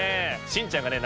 しんちゃんがね